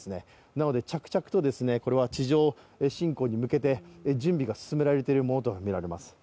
なので着々と地上侵攻に向けて準備が進められているものとみられます。